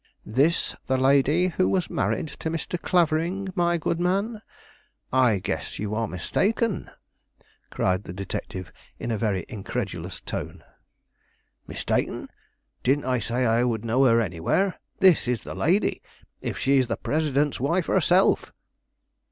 "This the lady who was married to Mr. Clavering, my good man? I guess you are mistaken," cried the detective, in a very incredulous tone. "Mistaken? Didn't I say I would know her anywhere? This is the lady, if she is the president's wife herself."